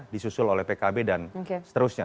disusul oleh pkb dan seterusnya